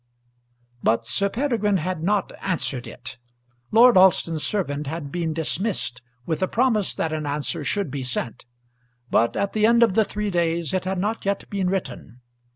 But Sir Peregrine had not answered it. Lord Alston's servant had been dismissed with a promise that an answer should be sent, but at the end of the three days it had not yet been written.